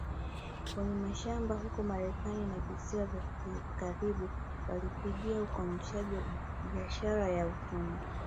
Wenye mashamba huko Marekani na visiwa vya Karibi walipinga ukomeshaji wa biashara ya watumwa